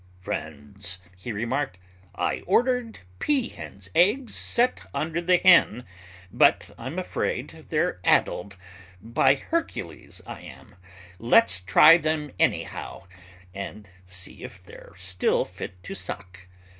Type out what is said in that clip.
"Friends," he remarked. "I ordered pea hen's eggs set under the hen, but I'm afraid they're addled, by Hercules I am let's try them anyhow, and see if they're still fit to suck."